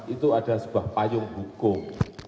itu ada sebuah payung hukum